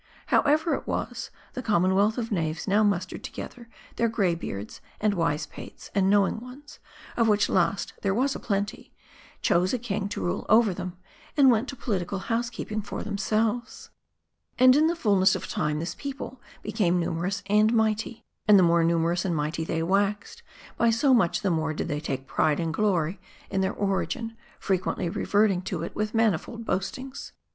However it was, the commonwealth of knaves now mus tered together th.eir gray beards, and wise pates, and know ing ones, of which last there was a plenty, chose a king to rule ' over them, and went to political housekeeping for themselves. And in the fullness of time, this people became numerous and mighty. And the more numerous and mighty they waxed, by so much the more did they take pride and glory in their origin, frequently reverting to it with manifold boastings.